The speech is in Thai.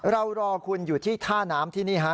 รอคุณอยู่ที่ท่าน้ำที่นี่ฮะ